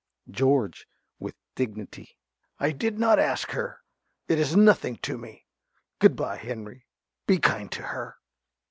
~George~ (with dignity). I did not ask her. It is nothing to me. Good bye, Henry. Be kind to her.